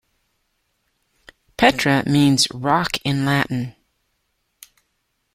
"Petra" means "rock" in Latin.